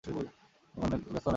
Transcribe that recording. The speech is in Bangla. তুমি অনেক ব্যস্ত নাকি?